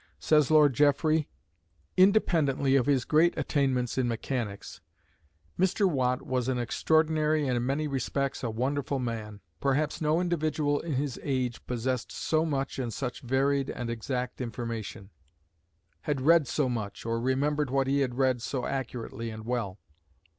Says Lord Jeffrey: Independently of his great attainments in mechanics, Mr. Watt was an extraordinary, and in many respects a wonderful man. Perhaps no individual in his age possessed so much and such varied and exact information had read so much, or remembered what he had read so accurately and well.